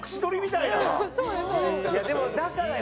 いやでもだからよ。